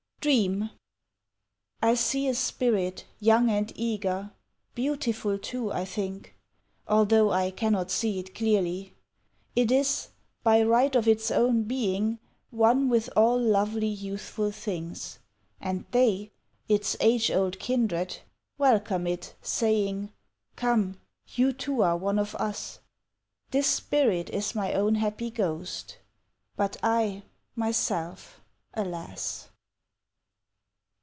Dream I SEE a spirit Young and eager, Beautiful, too, I think, (Although I cannot see it clearly) It is, by right of its own being, One with all lovely, youthful things; And they, its age old kindred, Welcome it Saying, "Come, you too are one of us!" ....... This spirit is my own happy ghost But I, myself, alas!